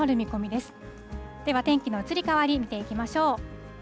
では、天気の移り変わり、見ていきましょう。